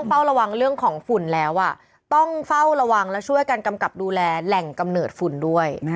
เฝ้าระวังเรื่องของฝุ่นแล้วต้องเฝ้าระวังและช่วยกันกำกับดูแลแหล่งกำเนิดฝุ่นด้วย